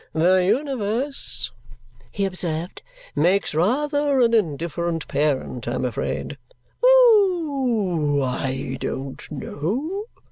"The universe," he observed, "makes rather an indifferent parent, I am afraid." "Oh! I don't know!"